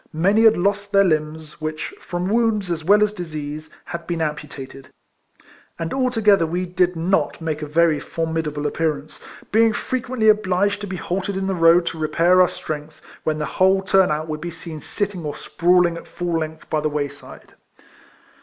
Many had lost their limbs, which, from wounds as well as disease, had been amputated ; and altogether we did not make a very formidable appearance, being frequently obliged to be halted in the road to repair our strength^ when the whole turn out would be seen sitting or sprawling at full length by the way side.